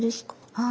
はい。